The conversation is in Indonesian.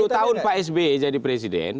sepuluh tahun pak sby jadi presiden